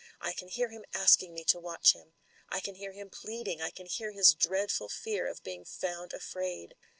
I can hear him asking me to watch him. I can hear him pleading — I can hear his dreadful fear of being found afraid.